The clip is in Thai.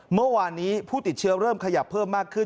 เมื่อวานนี้ผู้ติดเชื้อเริ่มขยับเพิ่มมากขึ้น